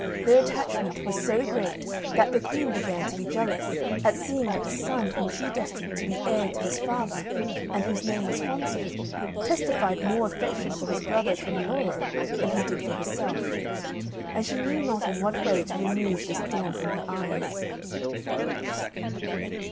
Their attachment was so great that the Queen began to be jealous, at seeing that the son whom she destined to be heir to his father, and whose name was Fonzo, testified more affection for his brother Canneloro than he did for herself. And she knew not in what way to remove this thorn from her eyes.